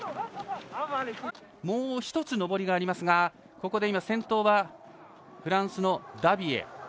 もう１つ、上りがありますがここで先頭はフランスのダビエ。